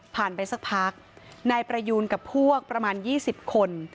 ไปสักพักนายประยูนกับพวกประมาณ๒๐คน